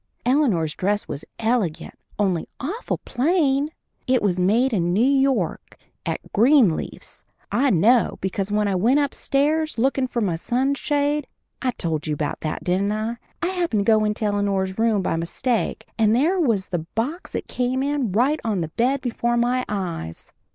Eleanor's dress was elegant, only awful plain. It was made in New York at Greenleaf's. I know, because when I was upstairs lookin' for my sunshade I told you about that, didn't I? I happened to get into Eleanor's room by mistake, and there was the box it came in right on the bed before my eyes.